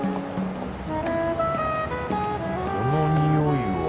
このにおいは